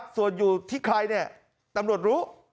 ส่วนอยู่ที่ใครเนี่ยตำรวจรู้